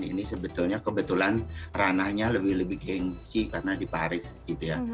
ini sebetulnya kebetulan ranahnya lebih lebih gengsi karena di paris gitu ya